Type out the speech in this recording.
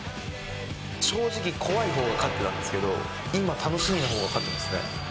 正直怖い方が勝ってたんですけど今楽しみの方が勝ってますね。